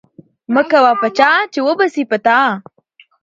مه کوه په چا، چي وبه سي په تا